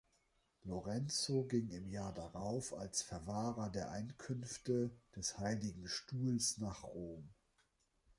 Lorenzo ging im Jahr darauf als Verwahrer der Einkünfte des Heiligen Stuhls nach Rom.